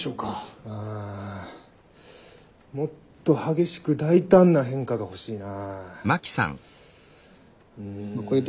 ああもっと激しく大胆な変化がほしいな。